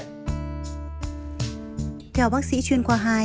theo bác sĩ chuyên qua hai